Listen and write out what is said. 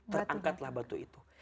terangkatlah batu itu